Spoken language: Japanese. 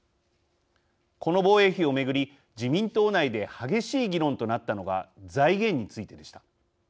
この防衛費を巡り、自民党内で激しい議論となったのが財源についてでした。